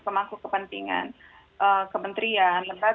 kemaksud kepentingan kementerian